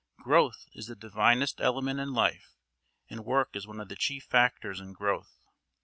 Growth is the divinest element in life, and work is one of the chief factors in growth.